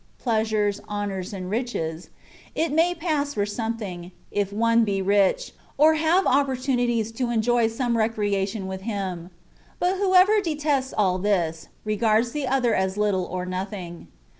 pleasures, honours, and riches, — it may pass for something, if one be rich, or have oppor tunities to enjoy some recreation with him ; but whoever detests all this, regards the other as little or nothing.